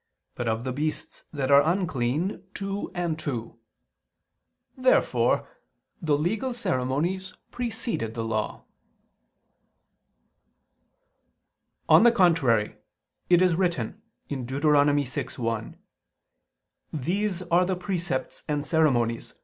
but of the beasts that are unclean, two and two." Therefore the legal ceremonies preceded the Law. On the contrary, It is written (Deut. 6:1): "These are the precepts and ceremonies